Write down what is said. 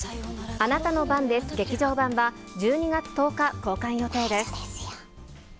あなたの番です劇場版は、１２月１０日公開予定です。